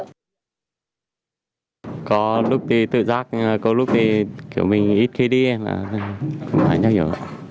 có lúc thì tự giác có lúc thì kiểu mình ít khi đi em à không phải nhắc nhở